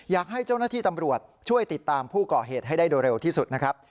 อยากให้เจ้าหน้าที่ตำรวจช่วยติดตามผู้ก่อเหตุให้ได้โดยเร็วที่สุดนะครับ